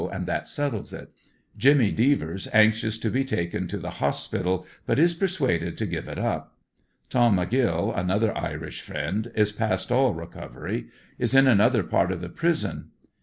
and that settles it. Jimmy Devers anxious to be taken to the hospital but is pursuaded to give it up. Tom McGrill, another Irish friend, is past all recovery; is in another part of the prison.